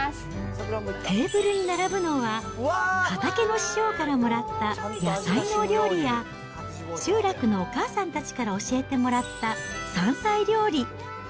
テーブルに並ぶのは、畑の師匠からもらった野菜の料理や、集落のお母さんたちから教えてもらった山菜料理。